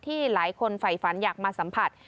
ที่หลายคนไฝฟันอยากมาสัมผัส